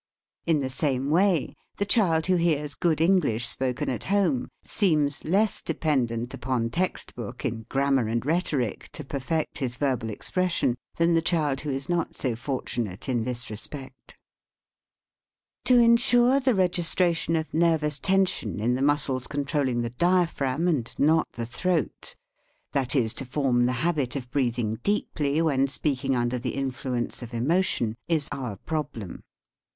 In the same way, the child who hears good English spoken at home seems less de pendent upon text book in grammar and rhetoric, to perfect his verbal expression, than the child who is not so fortunate in this respect. To insure the registration of nervous ten sion in the muscles controlling the diaphragm and not the throat that is, to form the habit of breathing deeply when speaking under the influence of emotion, is our problem.